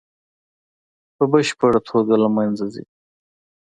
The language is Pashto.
په بشپړه توګه له منځه ځي.